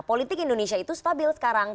politik indonesia itu stabil sekarang